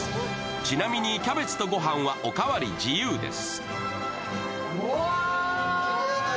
ちなみにキャベツと御飯はおかわり自由です。